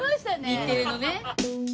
日テレのね。